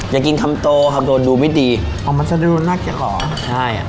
จะกินคำโตคำโตดูไม่ดีอ๋อมันจะดูน่าเกลียดเหรอใช่